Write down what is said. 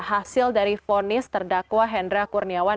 hasil dari fonis terdakwa hendra kurniawan